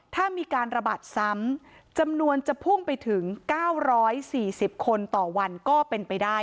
ถ้ามีการระบาดซ้ำจำนวนจะพุ่งไปถึง๙๔๐คนต่อวันก็เป็นไปได้